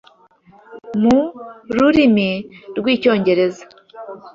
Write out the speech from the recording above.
mu rurimi rw'Icyongereza